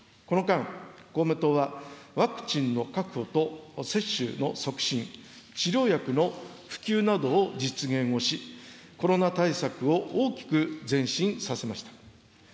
この間、公明党はワクチンの確保と接種の促進、治療薬の普及などを実現をし、コロナ対策を大きく前進させました。